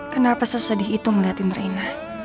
kenapa sesedih itu ngeliatin raila